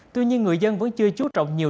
tuy nhiên người dân vẫn chưa chú trọng nhiều